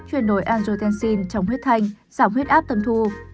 chuyển đổi angotency trong huyết thanh giảm huyết áp tâm thu